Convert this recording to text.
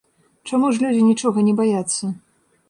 Чаму ж людзі нічога не баяцца?